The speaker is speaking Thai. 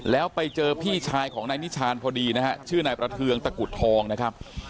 แล้วไปเจอพี่ชายของนายนิชานพอดีนะฮะชื่อนายประเทืองตะกุดทองนะครับ